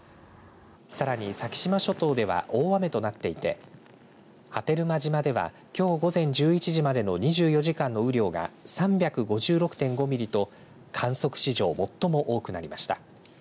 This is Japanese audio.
さらに先島諸島では大雨となっていて波照間島ではきょう午前１１時までの２４時間の雨量が３５６．５ミリと観測史上最も多くなりました。